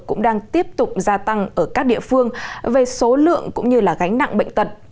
cũng đang tiếp tục gia tăng ở các địa phương về số lượng cũng như là gánh nặng bệnh tật